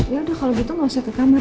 yaudah kalau gitu gak usah ke kamar